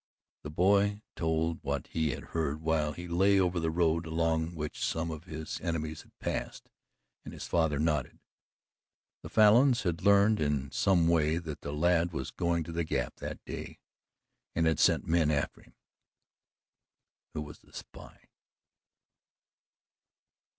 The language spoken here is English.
The boy told what he had heard while he lay over the road along which some of his enemies had passed and his father nodded. The Falins had learned in some way that the lad was going to the Gap that day and had sent men after him. Who was the spy?